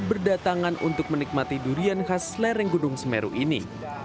berdatangan untuk menikmati durian khas lereng gunung semeru ini